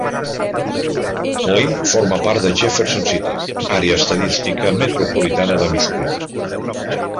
Linn forma part de Jefferson City, Àrea Estadística Metropolitana de Missouri.